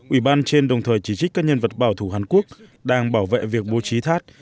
ủy ban trên đồng thời chỉ trích các nhân vật bảo thủ hàn quốc đang bảo vệ việc bố trí thát